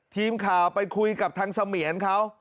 ทีมข่าวไปคุยกับทางเสมียนเขา